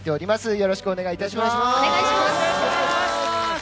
よろしくお願いします。